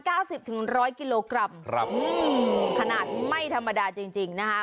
สิบถึงร้อยกิโลกรัมครับอืมขนาดไม่ธรรมดาจริงจริงนะคะ